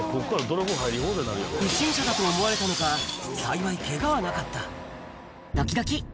不審者だと思われたのか、幸いけがはなかった。